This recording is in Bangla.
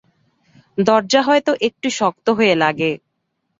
দরজা হয়তো একটু শক্ত হয়ে লাগে।